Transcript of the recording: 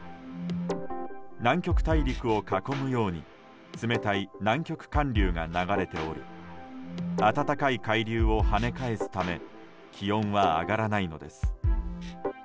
南極大陸を囲むように冷たい南極環流が流れており暖かい海流を跳ね返すため気温は上がらないのです。